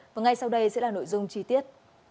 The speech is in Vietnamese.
và ngay sau đây sẽ là nội dung chi tiết